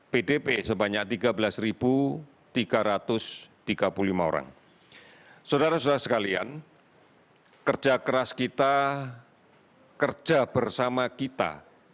pdp sebanyak tiga belas tiga ratus tiga puluh lima orang saudara saudara sekalian kerja keras kita kerja bersama kita